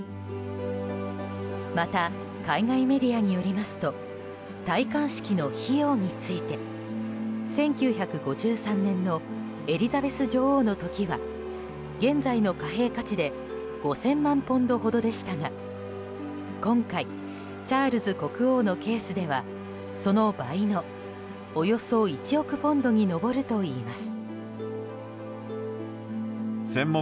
また、海外メディアによりますと戴冠式の費用について１９５３年のエリザベス女王の時は現在の貨幣価値で５０００万ポンドほどでしたが今回チャールズ国王のケースではその倍のおよそ１億ポンドに上るといいます。